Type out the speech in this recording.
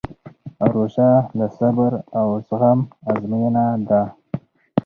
روژه د صبر او زغم ازموینه ده.